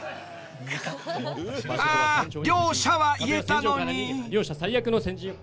［あ「両者」は言えたのに］